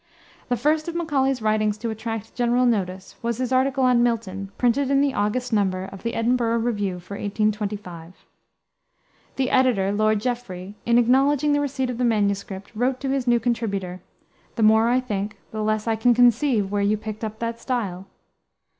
The first of Macaulay's writings to attract general notice was his article on Milton, printed in the August number of the Edinburgh Review, for 1825. The editor, Lord Jeffrey, in acknowledging the receipt of the MS., wrote to his new contributor, "The more I think, the less I can conceive where you picked up that style."